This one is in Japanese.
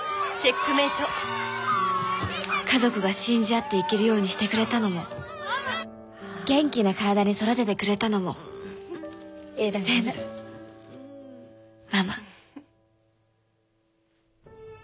チェックメイト家族が信じ合っていけるようにしてくれたのも元気な体に育ててくれたのも全部ママ。